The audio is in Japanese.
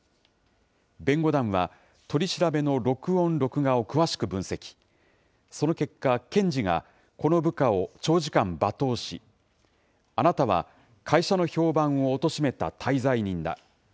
弁護団は、取り調べの録音・録画を詳しく分析、その結果、検事がこの部下を長時間罵倒し、あなたは会社の評判をおとしめた大罪人だ。